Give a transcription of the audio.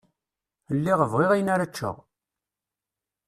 Lliɣ bɣiɣ ayen ara ččeɣ.